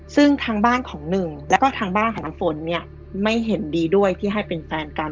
ซึ่งทางบ้านของหนึ่งแล้วก็ทางบ้านของน้ำฝนเนี่ยไม่เห็นดีด้วยที่ให้เป็นแฟนกัน